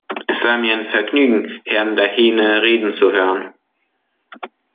Es war mir ein Vergnügen, Herrn Dehaene reden zu hören.